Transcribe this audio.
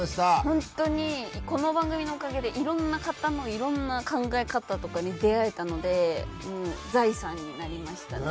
本当にこの番組のおかげでいろんな方のいろんな考え方とかに出会えたので財産になりましたね。